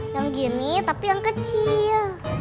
yang gini tapi yang kecil